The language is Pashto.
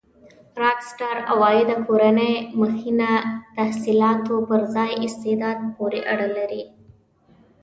راک سټار عوایده کورنۍ مخینه تحصيلاتو پر ځای استعداد پورې اړه لري.